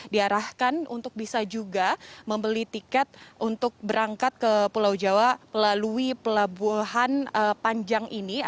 diarahkan untuk bisa juga membeli tiket untuk berangkat ke pulau jawa melalui pelabuhan panjang ini